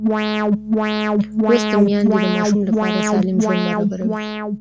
لوستې میندې د ماشوم لپاره سالم ژوند برابروي.